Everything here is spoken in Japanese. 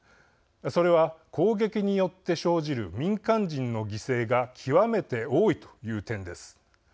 それは、攻撃によって生じる民間人の犠牲が極めて多いという点です。